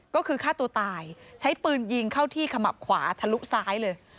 ก็คือฆ่าตัวตายใช้ปืนยิงเข้าที่ขมับขวาทะลุซ้ายเลย